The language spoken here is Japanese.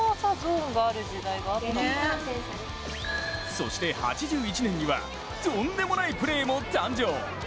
そして８１年には、とんでもないプレーも誕生。